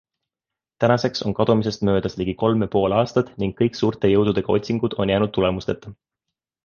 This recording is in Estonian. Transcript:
Tänaseks on kadumisest möödas ligi kolm ja pool aastat ning kõik suurte jõududega otsingud on jäänud tulemusteta.